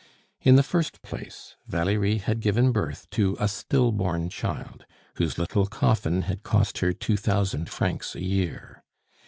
In the first place, Valerie had given birth to a still born child, whose little coffin had cost her two thousand francs a year.